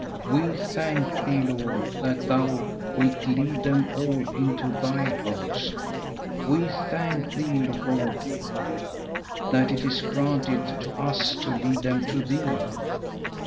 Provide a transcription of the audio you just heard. We thank Thee, Lord, that Thou wilt lead them all into Thy host! We thank Thee, Lord, that it is granted to us to lead them to Thee!"